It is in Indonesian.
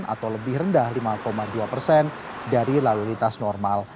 atau lebih rendah lima dua persen dari lalu lintas normal